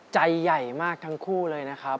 ใจใหญ่มากทั้งคู่เลยนะครับ